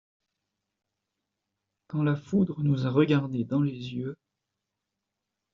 Quand la foudre nous a regardés dans les yeux